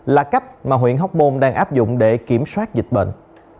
là cách mà huyện hóc môn đang áp dụng để kiểm soát dịch bệnh